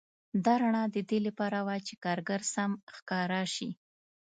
دا رڼا د دې لپاره وه چې کارګر سم ښکاره شي